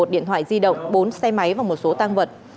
một mươi một điện thoại di động bốn xe máy và một số tang vật